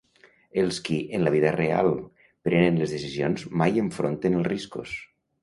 Els qui, en la vida real, prenen les decisions mai enfronten els riscos.